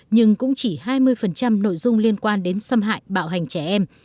nhưng cũng chỉ hai mươi nội dung liên quan đến xâm hại bạo hành trẻ em